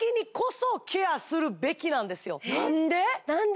何で？